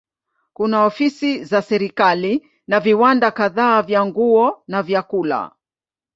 Kuna ofisi za serikali na viwanda kadhaa vya nguo na vyakula.